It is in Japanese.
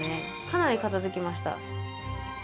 かなり片づきました